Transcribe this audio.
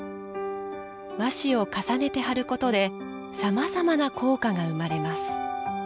和紙を重ねて張ることでさまざまな効果が生まれます。